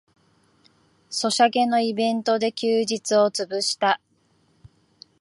ソシャゲのイベントで休日をつぶした